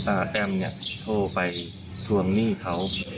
แอมเนี่ยโทรไปทวงหนี้เขา